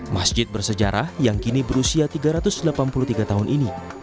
masjid bersejarah yang kini berusia tiga ratus delapan puluh tiga tahun ini